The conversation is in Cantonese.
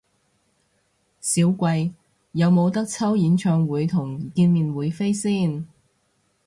少貴，有無得抽演唱會同見面會飛先？